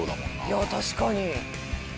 いや確かに。